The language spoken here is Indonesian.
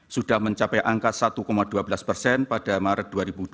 sudah mencapai angka satu dua belas persen pada maret dua ribu dua puluh